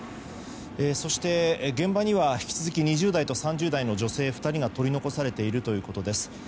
そして、現場には引き続き２０代と３０代の女性２人が取り残されているということです。